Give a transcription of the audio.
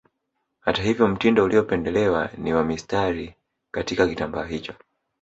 Hata hivyo mtindo uliopendelewa ni wa mistari katika kitambaa hicho